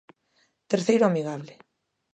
Terceiro amigable.